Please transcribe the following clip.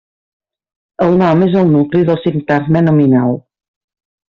El nom és el nucli del sintagma nominal.